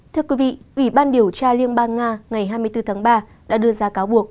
thưa quý vị ủy ban điều tra liên bang nga ngày hai mươi bốn tháng ba đã đưa ra cáo buộc